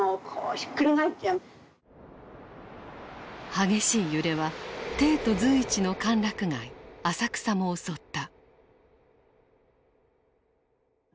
激しい揺れは帝都随一の歓楽街浅草も襲った。